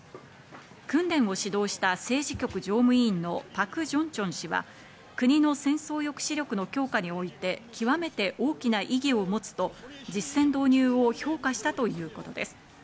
訓練を指導した政治局常務委員のパク・ジョンチョン氏は、国の戦争抑止力の強化において極めて大きな意義を持つと実戦導入を評価したということです。